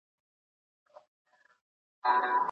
د هغه مور او پلار د امریکا د داخلي